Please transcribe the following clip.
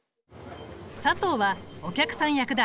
佐藤はお客さん役だ。